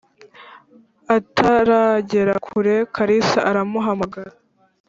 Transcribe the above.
ataragera kure kalisa aramuhamagara